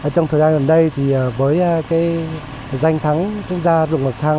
trong thời gian gần đây thì với cái danh thắng quốc gia ruộng bậc thang